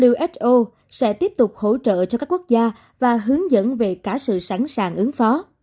uso sẽ tiếp tục hỗ trợ cho các quốc gia và hướng dẫn về cả sự sẵn sàng ứng phó